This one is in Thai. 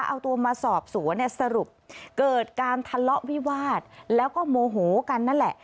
เอาตัวมาสอบสวนเนี่ยสรุปเกิดการทะเลาะวิวาสแล้วก็โมโหกันนั่นแหละ